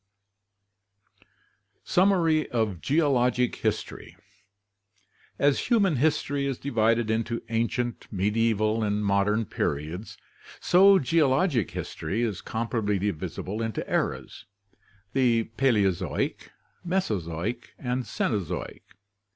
SUMMARY OF GEOLOGIC HISTORY As human history is divided into ancient, medieval, and modern periods, so geologic history is comparably divisible into eras, the Paleozoic, Mesozoic, and Cenozoic.